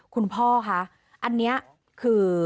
คุณพ่อคะอันนี้คือ